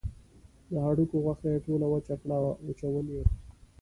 د هډوکو غوښه یې ټوله وچه کړه وچول یې.